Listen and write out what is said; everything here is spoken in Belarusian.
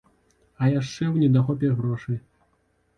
А яшчэ ў недахопе грошай.